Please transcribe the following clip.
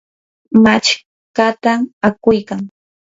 machkata akuykan.